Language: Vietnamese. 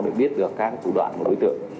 để biết được các thủ đoạn của đối tượng